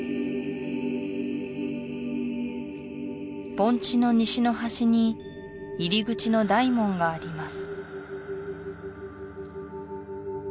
盆地の西の端に入り口の大門があります